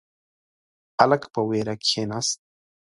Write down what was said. هلک په وېره کښیناست.